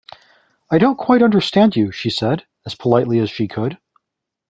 ‘I don’t quite understand you,’ she said, as politely as she could.